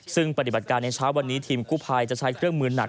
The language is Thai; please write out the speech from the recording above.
ซึ่งปฏิบัติการในเช้าวันนี้ทีมกู้ภัยจะใช้เครื่องมือหนัก